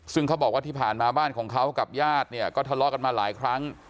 ซึ่งเขาบอกว่าที่ผ่านมาบ้านของเขากับญาติเนี่ยก็ทะเลาะกันมาหลายครั้ง